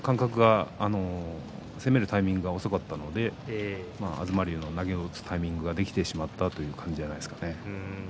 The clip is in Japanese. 攻めるタイミングが遅かったので東龍の投げを打つタイミングができてしまったということじゃないでしょうか。